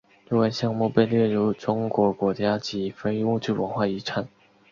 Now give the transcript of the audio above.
若干项目被列入中国国家级非物质文化遗产。